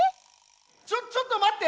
ちょちょっとまって！